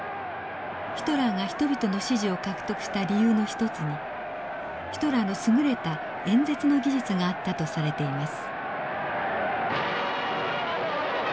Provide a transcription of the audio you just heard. ヒトラーが人々の支持を獲得した理由の一つにヒトラーの優れた演説の技術があったとされています。